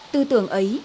tư tưởng ấy